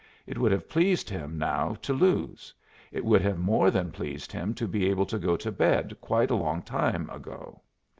It would have pleased him now to lose; it would have more than pleased him to be able to go to bed quite a long time ago.